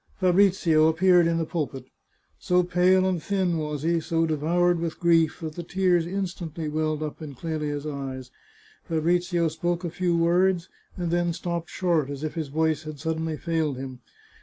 Fabrizio appeared in the pulpit. So pale and thin was he, so devoured with grief, that the tears instantly welled up in Clelia's eyes. Fabrizio spoke a few words, and then stopped short, as if his voice had suddenly failed him.